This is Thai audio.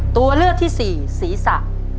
ตัวเลือกที่สี่ศีรษะ